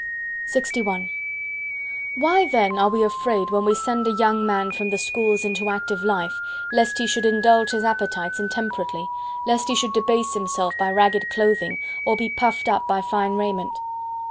LXI Why then are we afraid when we send a young man from the Schools into active life, lest he should indulge his appetites intemperately, lest he should debase himself by ragged clothing, or be puffed up by fine raiment?